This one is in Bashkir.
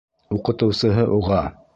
Уҡытыусыһы уға: